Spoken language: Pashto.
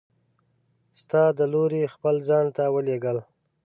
ستا د لورې خپل ځان ته ولیږل!